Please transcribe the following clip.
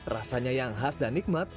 rasanya yang khas dan nikmat